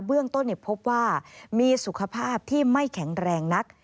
เบื้องต้นพบว่ามีสุขภาพที่ไม่แข็งแรงนัก